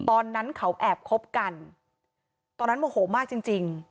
ตอนนั้นเขาแอบคบกันตอนนั้นโมโหมากจริงจริง